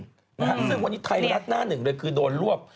ซึ่งวันนี้ไทยรัฐหน้าหนึ่งเลยคือโดนรวบ